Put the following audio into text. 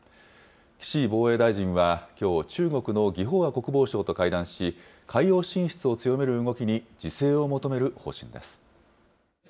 岸防衛大臣はきょう、中国の魏鳳和国防相と会談し、海洋進出を強める動きに自制を求める方針です。